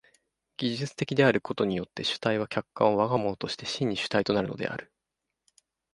技術的であることによって主体は客観を我が物として真に主体となるのである。